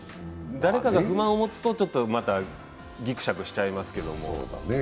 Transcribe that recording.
誰かが不満を持つとまたぎくしゃくしちゃいますよね。